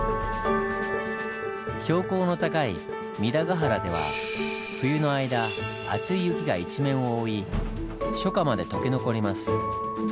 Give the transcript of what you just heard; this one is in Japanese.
標高の高い弥陀ヶ原では冬の間厚い雪が一面を覆い初夏まで解け残ります。